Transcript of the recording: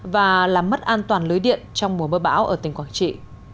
và làm mất an toàn lưới điện trong mùa mưa bão ở tỉnh quảng trị